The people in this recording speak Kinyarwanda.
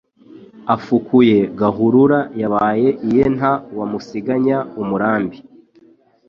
Afukuye Gahurura yabaye iyeNta wamusiganya umurambi